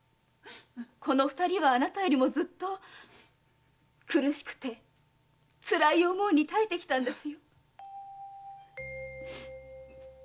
このお二人はあなたよりもずっと苦しくてつらい思いに耐えてきたんですよ。